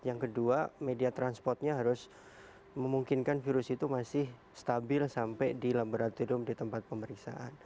yang kedua media transportnya harus memungkinkan virus itu masih stabil sampai di laboratorium di tempat pemeriksaan